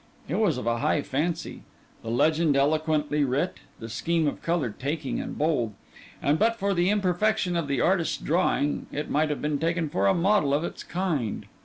It was of a high fancy, the legend eloquently writ, the scheme of colour taking and bold; and but for the imperfection of the artist's drawing, it might have been taken for a model of its kind.